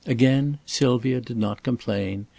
Again Sylvia did not complain.